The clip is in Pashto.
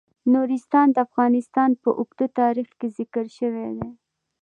نورستان د افغانستان په اوږده تاریخ کې ذکر شوی دی.